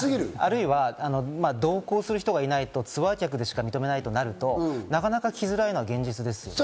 同行する人がいないと、ツアー客でしか認めないとなると、なかなか来づらいのが現実ですね。